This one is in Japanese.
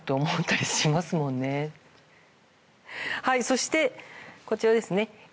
はいそしてこちらですね。